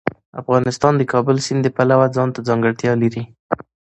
افغانستان د د کابل سیند د پلوه ځانته ځانګړتیا لري.